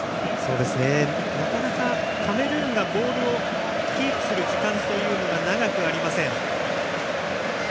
なかなかカメルーンがボールをキープする時間が長くありません。